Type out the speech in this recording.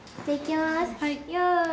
はい。